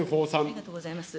ありがとうございます。